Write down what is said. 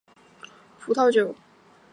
他还在奥地利制作葡萄酒。